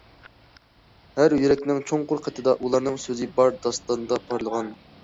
ھەر يۈرەكنىڭ چوڭقۇر قېتىدا ئۇلارنىڭ سۆزى بار داستاندا پارلىغان.